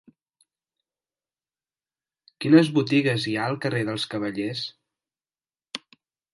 Quines botigues hi ha al carrer dels Cavallers?